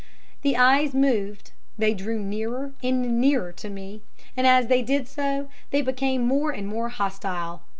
The eyes moved, they drew nearer and nearer to me, and as they did so they became more and more hostile.